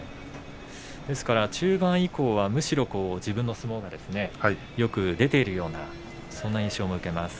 ですから中盤以降はむしろ自分の相撲がよく出ているようなそんな印象を受けます。